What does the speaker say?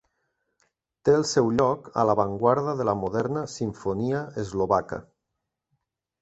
Té el seu lloc a l'avantguarda de la moderna simfonia eslovaca.